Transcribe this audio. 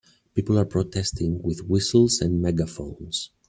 people are protesting with whistles and megaphones.